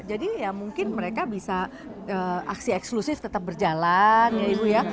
jadi ya mungkin mereka bisa aksi eksklusif tetap berjalan ya ibu ya